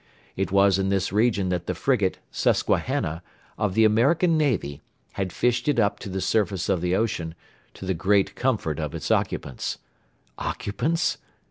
It was in this region that the frigate, Susquehanna, of the American Navy, had fished it up to the surface of the ocean, to the great comfort of its occupants. Occupants?